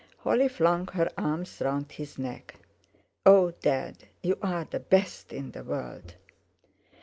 Holly flung her arms round his neck. "Oh! Dad, you are the best in the world."